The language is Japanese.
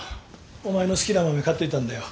お前の好きな豆買っといたんだよ。